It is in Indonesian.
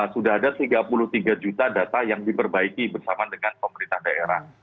sudah ada tiga puluh tiga juta data yang diperbaiki bersama dengan pemerintah daerah